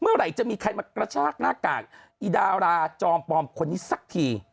เมื่อไหร่จะมีใครมากระชากหน้ากากอีดาราจอมปลอมคนนี้สักที